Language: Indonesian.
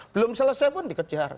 belum selesai pun dikejar